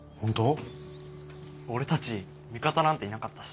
俺たち味方なんていなかったし。